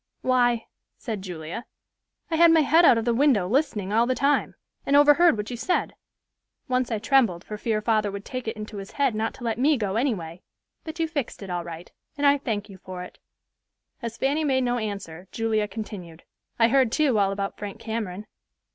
"Why," said Julia, "I had my head out of the window, listening all the time, and overheard what you said. Once I trembled for fear father would take it into his head not to let me go any way; but you fixed it all right, and I thank you for it." As Fanny made no answer, Julia continued, "I heard, too, all about Frank Cameron.